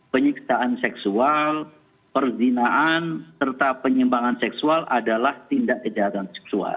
penyiksaan seksual perzinaan serta penyimbangan seksual adalah tindak kejahatan seksual